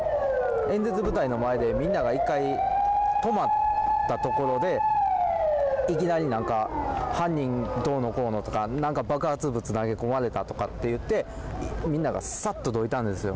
演説舞台の前でみんなが１回止まったところでいきなり犯人どうのこうのとかなんか爆発物投げ込まれたとか言って、みんながさっとどいたんですよ。